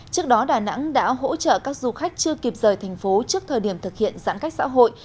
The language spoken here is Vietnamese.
trước đó đà nẵng đã hỗ trợ các du khách chưa kịp rời thành phố trước thời điểm thực hiện giãn cách xã hội